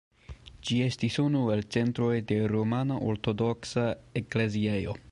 Ĝi estis unu el centroj de rumana ortodoksa ekleziejo.